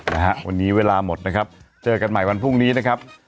นะฮะวันนี้เวลาหมดนะครับเจอกันใหม่วันพรุ่งนี้นะครับ